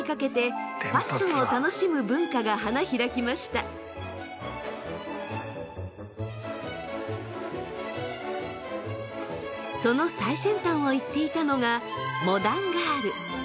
その最先端を行っていたのがモダンガール略してモガ！